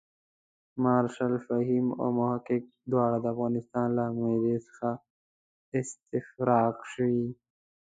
مارشال فهیم او محقق دواړه د افغانستان له معدې څخه استفراق شوي.